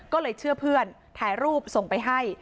ก็เลยเชื่อเพื่อนถ่ายรูปส่งไปให้